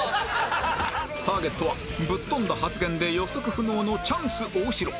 ターゲットはぶっ飛んだ発言で予測不能のチャンス大城